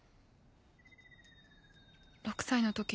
６歳の時